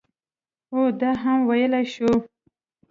او دا هم ویل شوي